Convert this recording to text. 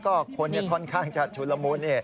ก็คนค่อนข้างจะชุนละมุน